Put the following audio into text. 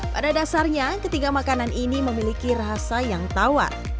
pada dasarnya ketiga makanan ini memiliki rasa yang tawar